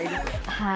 はい。